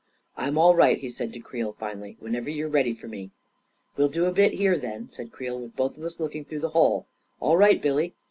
" I'm all right," he said to Creel, finally, " when ever you're ready for me." " We'll do a bit here, then," said Creel, " with both of us looking through the hole. All right, Billy